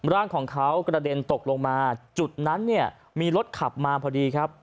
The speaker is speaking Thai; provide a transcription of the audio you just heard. ร่างของเขากระเด็นตกลงมาจุดนั้นเนี่ยมีรถขับมาพอดีครับ